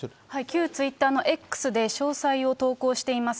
旧ツイッターのＸで詳細を投稿しています。